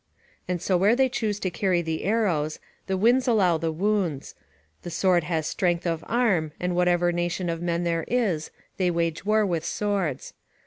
["And so where they choose to carry [the arrows], the winds allow the wounds; the sword has strength of arm: and whatever nation of men there is, they wage war with swords."